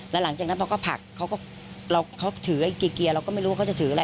แล้วหลังจากนั้นพอก็ผลักเขาก็เราถือไอ้เกียร์เราก็ไม่รู้ว่าเขาจะถืออะไร